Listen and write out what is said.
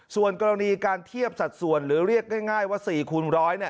ส่วนกรณีการเทียบสัดส่วนหรือเรียกง่ายว่า๔คูณร้อย